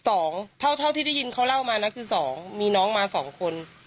เท่าเท่าที่ได้ยินเขาเล่ามานะคือสองมีน้องมาสองคน